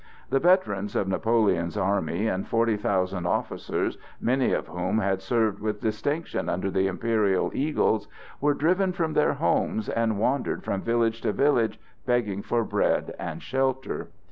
The veterans of Napoleon's army and forty thousand officers, many of whom had served with distinction under the imperial eagles, were driven from their homes and wandered from village to village begging for bread and shelter.